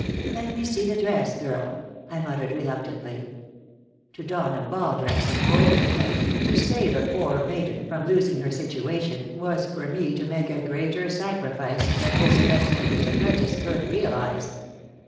"Let me see the dress, girl," I muttered, reluctantly. To don a ball dress in full daylight to save a poor maiden from losing her situation was for me to make a greater sacrifice than this dressmaker's apprentice could realize.